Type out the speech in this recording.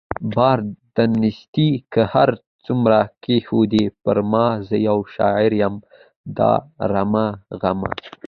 بار د نيستۍ که هر څو کښېږدې پرما زه يو شاعر يمه رادرومه غمه